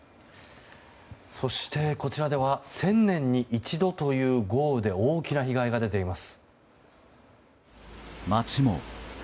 そして、こちらでは１０００年に一度という豪雨で大きな被害が出ています。